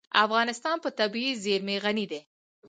افغانستان په طبیعي زیرمې غني دی.